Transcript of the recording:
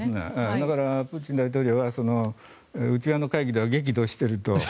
だからプーチン大統領は内側の会議では激怒していると。